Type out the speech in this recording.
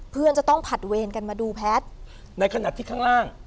เพื่อนจะต้องผัดเวรกันมาดูแพทย์ในขณะที่ข้างล่าง